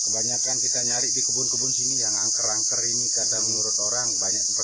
baru ditemukan hari sabtunya